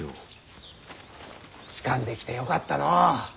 仕官できてよかったのう。